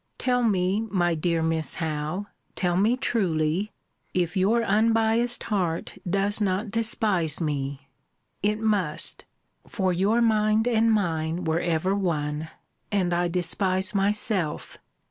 Tell me, my dear Miss Howe, tell me truly, if your unbiassed heart does not despise me? It must! for your mind and mine were ever one; and I despise myself!